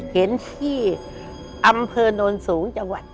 เห็นที่อำเภอโนนสูงจังหวัด